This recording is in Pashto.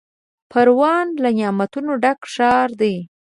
پروان له نعمتونو ډک ښار دی.